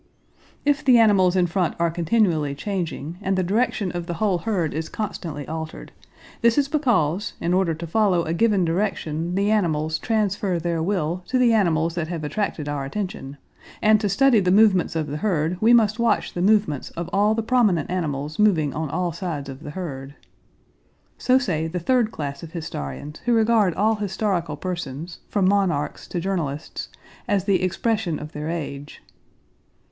"If the animals in front are continually changing and the direction of the whole herd is constantly altered, this is because in order to follow a given direction the animals transfer their will to the animals that have attracted our attention, and to study the movements of the herd we must watch the movements of all the prominent animals moving on all sides of the herd." So say the third class of historians who regard all historical persons, from monarchs to journalists, as the expression of their age.